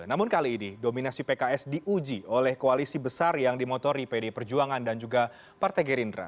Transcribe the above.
namun kali ini dominasi pks diuji oleh koalisi besar yang dimotori pd perjuangan dan juga partai gerindra